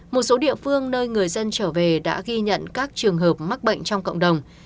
một số địa phương nơi người dân trở về đã ghi nhận các trường hợp mắc bệnh trong cộng đồng